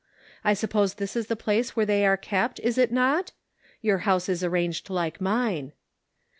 I suppose this is the place where they are kept, is it not ? Your house is arranged like mine."